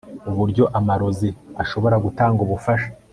uburyo amarozi ashobora gutanga ubufasha